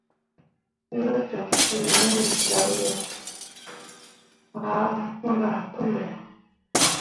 Ne cok cuu hĩĩ, dǝwe ah puura puli.